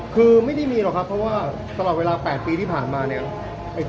คือไม่ได้มีหรอกครับเพราะว่าตลอดเวลา๘ปีที่ผ่านมาเนี่ย